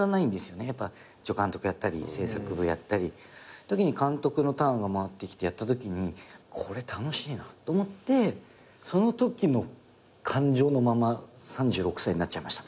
やっぱ助監督やったり制作部やったりってときに監督のターンが回ってきてやったときにこれ楽しいなと思ってそのときの感情のまま３６歳になっちゃいました。